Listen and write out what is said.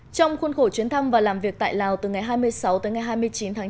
trong khuôn khổ chuyến thăm và làm việc tại lào từ ngày hai mươi sáu tới ngày hai mươi chín tháng chín